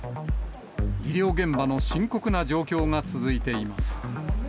医療現場の深刻な状況が続いています。